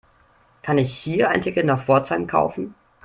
Kann ich hier ein Ticket nach Pforzheim kaufen?